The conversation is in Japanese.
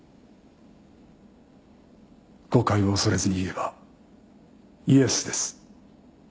誤解を恐れずにいえばイエスです。